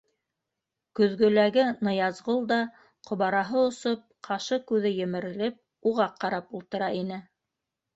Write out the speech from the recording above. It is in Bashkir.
Көҙгөләге Ныязғол да, ҡобараһы осоп, ҡашы-күҙе емерелеп уға ҡарап ултыра ине.